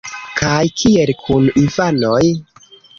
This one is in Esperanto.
Kaj kiel kun infanoj?